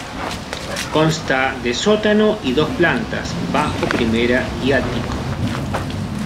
Consta de sótano y dos plantas: bajo, primera y ático.